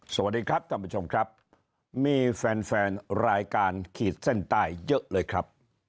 สวัสดีครับท่านผู้ชมครับมีแฟนแฟนรายการขีดเส้นใต้เยอะเลยครับ